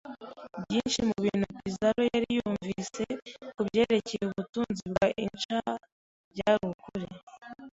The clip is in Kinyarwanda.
Byinshi mubintu Pizzaro yari yarumvise kubyerekeye ubutunzi bwa Inca byari ukuri.